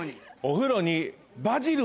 お風呂に。